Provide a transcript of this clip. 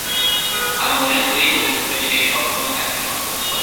আমি মনে করি গভীরভাবে সে সবসময় তাকে সন্দেহ করে।